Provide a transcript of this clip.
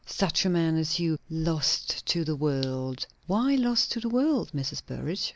Such a man as you! lost to the world!" "Why lost to the world, Mrs. Burrage?"